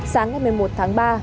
sáng ngày một mươi một tháng ba